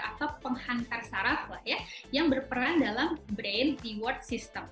atau penghantar sarap lah ya yang berperan dalam brain theword system